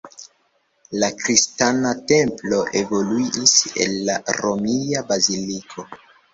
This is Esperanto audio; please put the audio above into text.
La kristana templo evoluis el la romia baziliko.